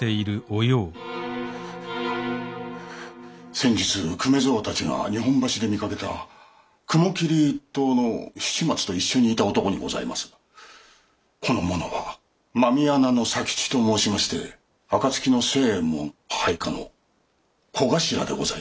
先日粂三たちが日本橋で見かけた雲霧一党の七松と一緒にいた男にございますがこの者は狸穴の佐吉と申しまして暁の星右衛門配下の小頭でございます。